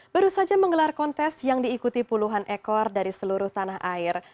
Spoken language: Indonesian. baru saja menggelar kontes yang diikuti puluhan ekor dari seluruh tanah air